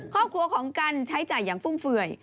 ครอบครัวของกันใช้จ่ายอย่างฟุ่มเฟื่อย